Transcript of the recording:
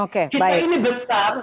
kita ini besar